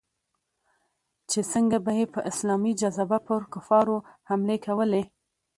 چې څنگه به يې په اسلامي جذبه پر کفارو حملې کولې.